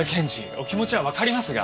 お気持ちはわかりますが。